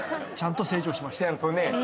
ちゃんと成長しました。